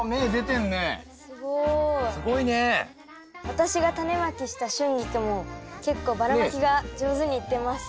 私がタネまきしたシュンギクも結構ばらまきが上手にいってます。